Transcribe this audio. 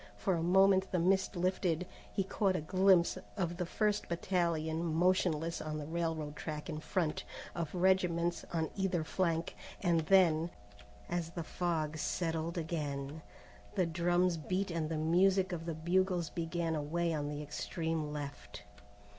For a moment the mist lifted. He caught a glimpse of the first battalion motionless on the railroad track in front, of regiments on either flank, and then, as the fog settled again, the drums beat and the music of the bugles began away on the extreme left.